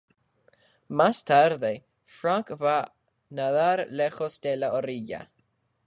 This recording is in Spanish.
Más tarde, Franck va nadar lejos de la orilla.